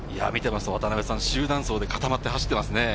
集団走で固まって走っていますね。